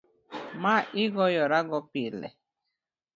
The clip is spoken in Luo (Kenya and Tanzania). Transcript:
ma igoyorago pile